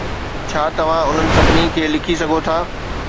ڇا توهان انهن سڀني کي لکي سگهو ٿا؟